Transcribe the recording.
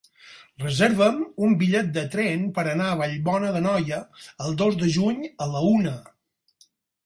Reserva'm un bitllet de tren per anar a Vallbona d'Anoia el dos de juny a la una.